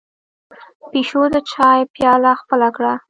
پيشو د چای پياله خپله کړه.